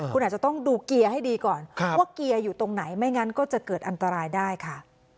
คุณอาจจะต้องดูเกียร์ให้ดีก่อนว่าเกียร์อยู่ตรงไหนไม่งั้นก็จะเกิดอันตรายได้ค่ะ